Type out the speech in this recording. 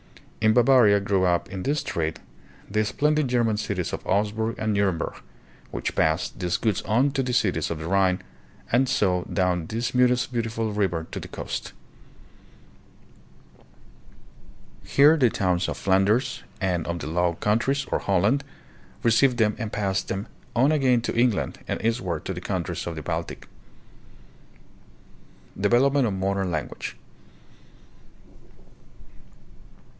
In Bavaria grew up in this trade the splendid German cities of Augsburg and Nuremberg, which passed these goods on to the cities of the Rhine, and so down this most beautiful river to the coast. Here the towns of Flanders and of the Low Countries, or Holland, received them and passed them on again to England and eastward to the countries of the Baltic. Development of Modern Language.